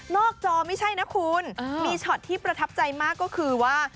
จอไม่ใช่นะคุณมีช็อตที่ประทับใจมากก็คือว่า